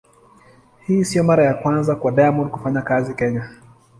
Hii sio mara ya kwanza kwa Diamond kufanya kazi Kenya.